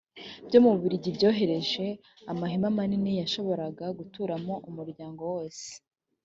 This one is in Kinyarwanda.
byo mu bubiligi byohereje amahema manini yashoboraga guturamo umuryango wose